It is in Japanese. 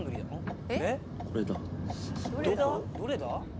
どれだ？